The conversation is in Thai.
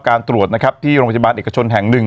การตรวจนะครับที่โรงพยาบาลเอกชนแห่ง๑